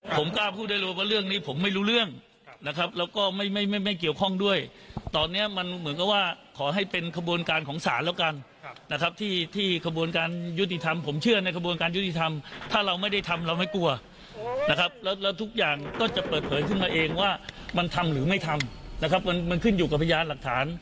หรือไม่ทำนะครับมันมันขึ้นอยู่กับพยายามหลักฐาน